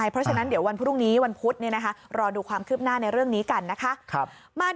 เพราะฉะนั้นเดี๋ยววันพรุ่งนี้วันพุธรอดูความคืบหน้าในเรื่องนี้กันนะคะ